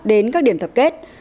đến các điểm thập kết